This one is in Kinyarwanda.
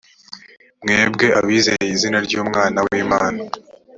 mwebwe abizeye izina ry umwana w imana